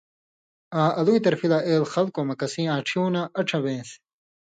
آں الُوئ طرفی لا اېل خلکؤں مہ کسیں آن٘ڇھیُوں نہ ان٘ڇھہۡ بېن٘س